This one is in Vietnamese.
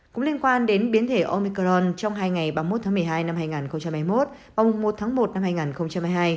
cũng liên quan đến biến thể omicron trong hai ngày ba mươi một tháng một mươi hai năm hai nghìn hai mươi một và một tháng một năm hai nghìn hai mươi hai